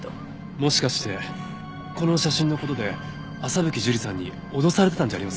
もしかしてこの写真の事で朝吹樹里さんに脅されてたんじゃありませんか？